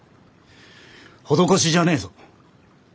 施しじゃねえぞ。